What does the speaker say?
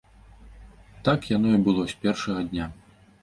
Так яно і было з пешага дня.